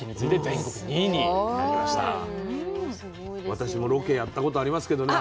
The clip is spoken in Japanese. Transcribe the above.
私もロケやったことありますけどね